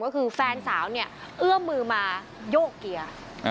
ก็คือแฟนสาวเนี่ยเอื้อมมือมาโยกเกียร์